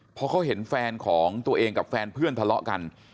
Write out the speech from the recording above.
พอเขาเห็นแฟนของตัวเองกับแฟนเพื่อนทะเลาะกัน